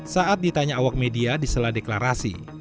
saat ditanya awak media di sela deklarasi